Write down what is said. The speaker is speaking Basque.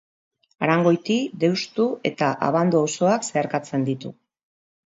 Arangoiti, Deustu eta Abando auzoak zeharkatzen ditu.